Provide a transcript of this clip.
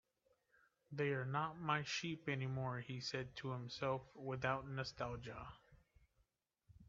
"They're not my sheep anymore," he said to himself, without nostalgia.